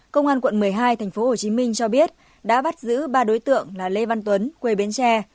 công an quận một mươi hai tp hồ chí minh cho biết đã bắt giữ ba đối tượng là lê văn tuấn quê bến tre